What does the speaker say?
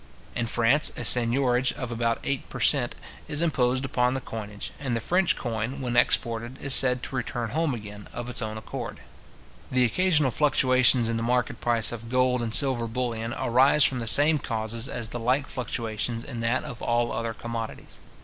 In France, a seignorage of about eight per cent. is imposed upon the coinage, and the French coin, when exported, is said to return home again, of its own accord. The occasional fluctuations in the market price of gold and silver bullion arise from the same causes as the like fluctuations in that of all other commodities.